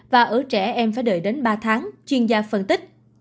và ở trẻ em phải đợi đến ba tháng chuyên gia phân tích